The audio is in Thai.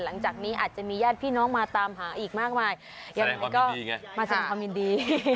หลังจากนี้อาจจะมีญาติพี่น้องมาตามหาอีกมากมายยังไงก็มาแสดงความยินดี